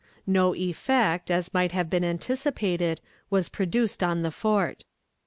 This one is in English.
No effect, as might have been anticipated, was produced on the fort.